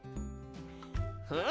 ふん！